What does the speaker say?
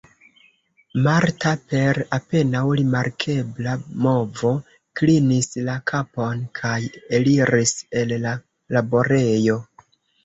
Marta per apenaŭ rimarkebla movo klinis la kapon kaj eliris el la laborejo.